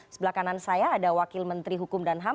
sebelah kanan saya ada wakil menteri hukum dan ham